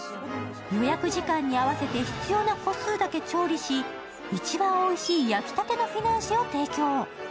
予約時間に合わせて必要な個数だけ調理し、一番おいしい焼きたてのフィナンシェを提供。